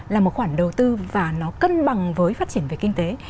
là một khoản đầu tư và nó cân bằng với phát triển về kinh tế